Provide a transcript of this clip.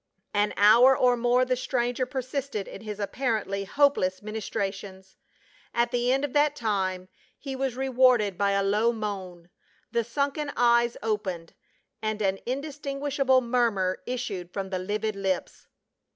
An hour or more the stranger persisted in his apparently hopeless ministrations ; at the end of that time he was rewarded by a low moan, the sunken eyes opened, and an indistinguishable murmur issued from the livid lips.